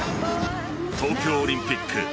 東京オリンピック